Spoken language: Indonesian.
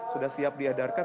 sudah siap diadarkan